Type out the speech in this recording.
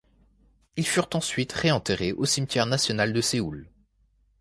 Ils furent ensuite réenterrés au cimetière national de Séoul.